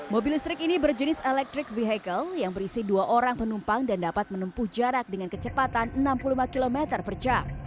mobil listrik ini berjenis electric vehicle yang berisi dua orang penumpang dan dapat menempuh jarak dengan kecepatan enam puluh lima km per jam